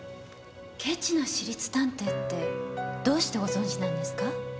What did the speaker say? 「ケチな私立探偵」ってどうしてご存じなんですか？